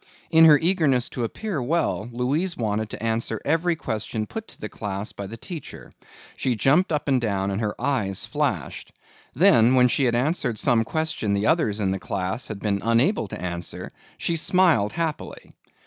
In her eagerness to appear well Louise wanted to answer every question put to the class by the teacher. She jumped up and down and her eyes flashed. Then when she had answered some question the others in the class had been unable to answer, she smiled happily.